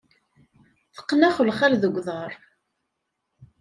Teqqen axelxal deg uḍar.